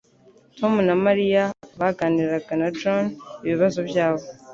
Tom na Mariya baganiraga na John ibibazo byabo.